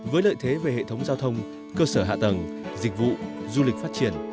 với lợi thế về hệ thống giao thông cơ sở hạ tầng dịch vụ du lịch phát triển